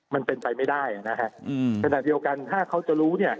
มันเป็นไปไม่ได้นะฮะอืมขณะเดียวกันถ้าเขาจะรู้เนี่ย